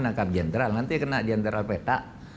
nangkap jenderal nanti kena jenderal peta